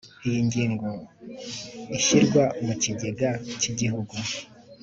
iyi ngingo ishyirwa mu kigega cy igihugu